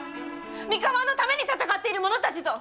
三河のために戦っている者たちぞ！